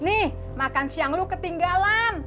nih makan siang lu ketinggalan